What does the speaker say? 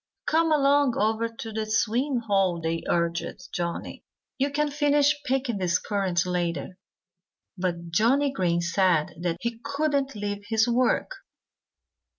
"Come along over to the swimming hole!" they urged Johnnie. "You can finish picking these currants later." But Johnnie Green said that he couldn't leave his work.